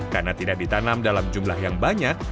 karena tidak ditanam dalam jumlah yang banyak